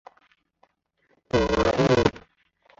母何氏。